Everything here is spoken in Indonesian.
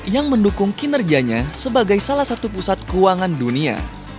yang mendukung kinerjanya sebagai salah satu pusat keuangan dunia